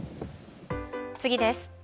次です。